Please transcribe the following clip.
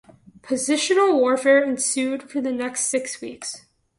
Positional warfare ensued for the next six weeks.